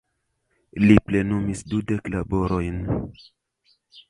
Li plenumis dekdu laborojn.